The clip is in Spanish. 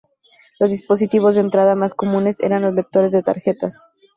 Los dispositivos de entrada más comunes eran los lectores de tarjetas.